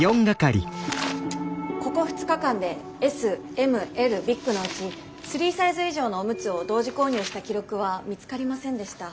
ここ２日間でＳＭＬビッグのうち３サイズ以上のオムツを同時購入した記録は見つかりませんでした。